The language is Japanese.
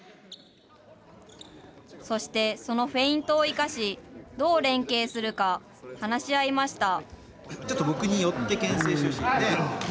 そして、そのフェイントを生かし、どう連携するか、話し合いました。